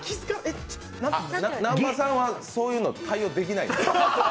南波さんはそういうの対応できない。